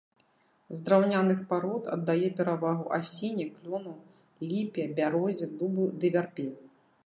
З драўняных парод аддае перавагу асіне, клёну, ліпе, бярозе, дубу ды вярбе.